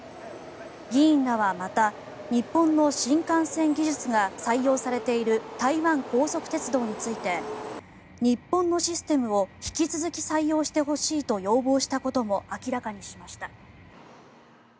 議員らは、また、日本の新幹線技術が採用されている台湾高速鉄道について日本のシステムを引き続き採用してほしいと要望したことも明らかにしました。